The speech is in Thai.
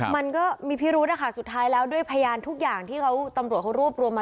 มันก็มีพิรุธนะคะสุดท้ายแล้วด้วยพยานทุกอย่างที่เขาตำรวจเขารวบรวมมา